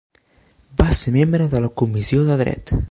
Va ser membre de la Comissió de Dret.